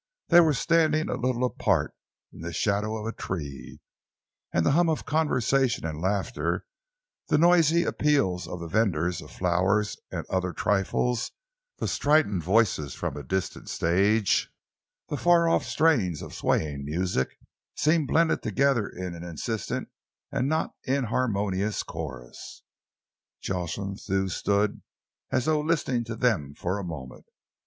They were standing a little apart, in the shadow of a tree, and the hum of conversation and laughter, the noisy appeals of the vendors of flowers and other trifles, the strident voices from a distant stage, the far off strains of swaying music, seemed blended together in an insistent and not inharmonious chorus. Jocelyn Thew stood as though listening to them for a moment.